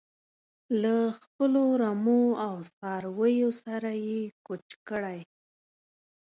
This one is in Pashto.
له خپلو رمو او څارویو سره یې کوچ کړی.